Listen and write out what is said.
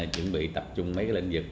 chuẩn bị tập trung mấy cái lĩnh vực